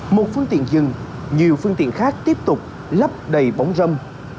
một phương tiện dừng nhiều phương tiện khác tiếp tục lấp đầy bóng râm